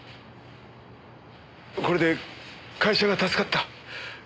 これで会社が助かった。